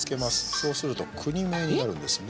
そうすると国名になるんですね。